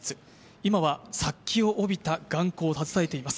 今は殺気を帯びた眼光を携えています。